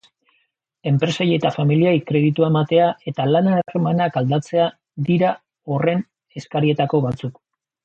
Enpresei eta familiei kreditua ematea eta lan-harremanak aldatzea dira horren eskarietako batzuk.